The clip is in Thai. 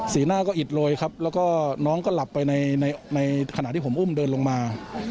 หน้าก็อิดโรยครับแล้วก็น้องก็หลับไปในขณะที่ผมอุ้มเดินลงมา